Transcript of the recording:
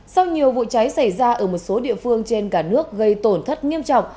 sau nhiều vụ cháy xảy ra ở một số địa phương trên cả nước gây tổn thất nghiêm trọng